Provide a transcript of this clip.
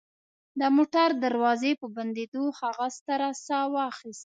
د موټر دروازې په بندېدو هغه ستره ساه واخیستله